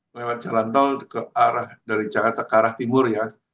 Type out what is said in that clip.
lewat jalan tol ke arah dari jakarta ke arah timur ya